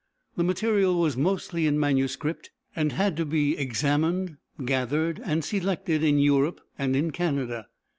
The material was mostly in manuscript, and had to be examined, gathered, and selected in Europe and in Canada.